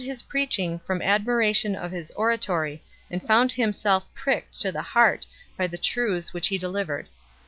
He attended his "preaching from admiration of his oratory and found him self pricked to the heart by the truths which he delivered.